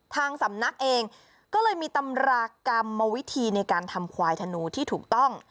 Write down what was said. ทางสำนักเองก็เลยมีตำรากรรมวิธีในการทำควายธนูที่ถูกต้อง